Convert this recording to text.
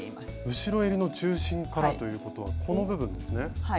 後ろえりの中心からということはこの部分ですね。